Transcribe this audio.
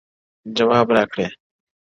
جواب را كړې _